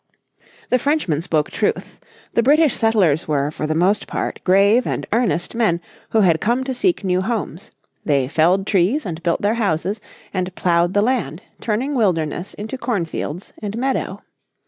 The Frenchman spoke truth. The British settlers were, for the most part, grave and earnest men who had come to seek new homes. They felled trees and built their houses, and ploughed the land, turning wilderness into cornfields and meadow.